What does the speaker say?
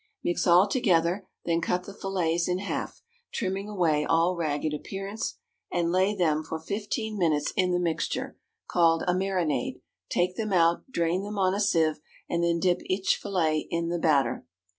Mix all together, then cut the fillets in half, trimming away all ragged appearance, and lay them for fifteen minutes in the mixture (called a marinade); take them out, drain them on a sieve, and then dip each fillet in the batter.